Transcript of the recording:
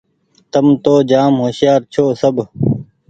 تم تو جآم هوشيآر ڇوٚنٚ سب